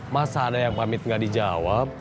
masa ada yang pamit gak dijawab